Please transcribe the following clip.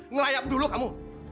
ngelayap dulu kamu